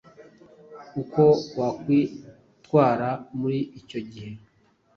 uko wakwitwara muri icyo gihe